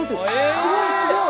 すごいすごい！